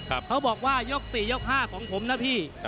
เขาบอกว่ายก๔ยก๕ของผมนะพี่